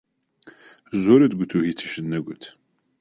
زۆرت گوت و هیچیشت نەگوت!